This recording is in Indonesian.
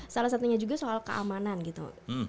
salah satunya juga soal keamanan gitu